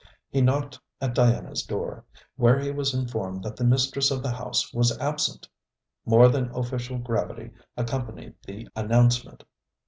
He knocked at Diana's door, where he was informed that the mistress of the house was absent. More than official gravity accompanied the announcement.